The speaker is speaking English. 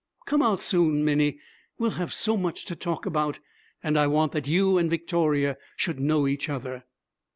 Come out soon, Minnie. We'll have so much to talk about, and I want that you and Victoria should know each other.'